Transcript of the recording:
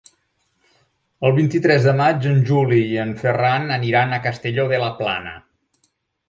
El vint-i-tres de maig en Juli i en Ferran aniran a Castelló de la Plana.